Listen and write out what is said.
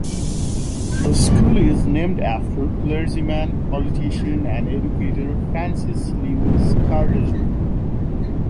The school is named after clergyman, politician and educator Francis Lewis Cardozo.